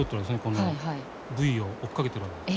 このブイを追っかけてるわけです。